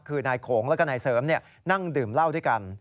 คือนายโขงแล้วก็นายเสริมนั่งดื่มเหล้าด้วยกัน